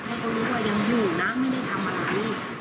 เพราะเขารู้ว่ายังอยู่นะไม่ได้ทำมากอีก